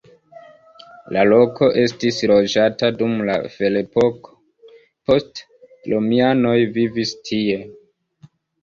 La loko estis loĝata dum la ferepoko, poste romianoj vivis tie.